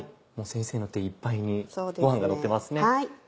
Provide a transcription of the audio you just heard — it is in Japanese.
先生の手いっぱいにご飯がのってますね。